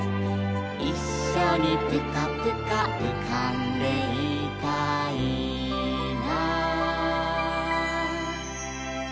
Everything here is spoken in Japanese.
「いっしょにプカプカうかんでいたいな」